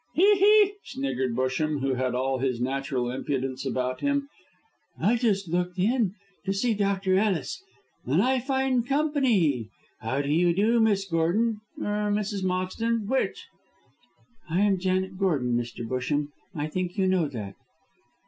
"He! he!" sniggered Busham, who had all his natural impudence about him. "I just looked in to see Dr. Ellis, and I find company. How do you do, Miss Gordon, or Mrs. Moxton which?" "I am Janet Gordon, Mr. Busham! I think you know that."